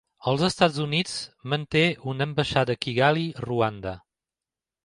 Els Estats Units manté una ambaixada a Kigali, Ruanda.